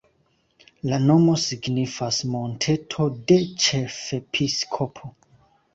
La nomo signifas monteto-de-ĉefepiskopo.